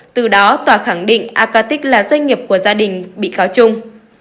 từ đó tòa khẳng định akatic là doanh nghiệp của gia đình bị cáo trung